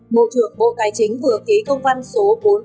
mộ trưởng bộ tài chính vừa ký công văn số bốn nghìn ba trăm bốn mươi ba